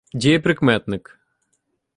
Дієприкметник